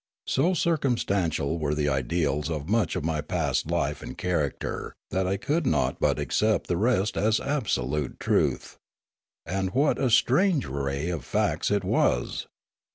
So circumstantial were the details of much of my past life and character that I could not but accept the rest as absolute truth. And what a strange array of facts it was!